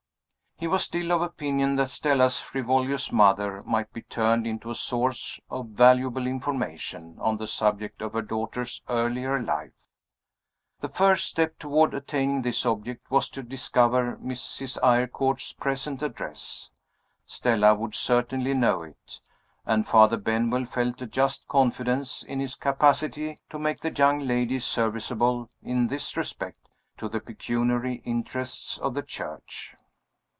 He was still of opinion that Stella's "frivolous" mother might be turned into a source of valuable information on the subject of her daughter's earlier life. The first step toward attaining this object was to discover Mrs. Eyrecourt's present address. Stella would certainly know it and Father Benwell felt a just confidence in his capacity to make the young lady serviceable, in this respect, to the pecuniary interests of the Church.